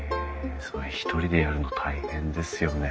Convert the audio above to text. それ一人でやるの大変ですよね。